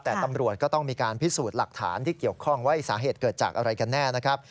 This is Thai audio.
แต่ตำรวจก็ต้องมีการพิสูจน์หลักฐานที่เกี่ยวข้องว่าสาเหตุเกิดจากอะไรกันแน่นะครับ